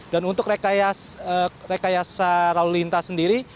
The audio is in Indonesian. dan untuk rekayasa lalu lintas sendiri